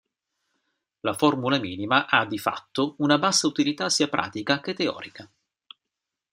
La formula minima ha, di fatto, una bassa utilità sia pratica che teorica.